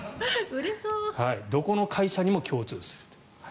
どこの会社にも共通するという。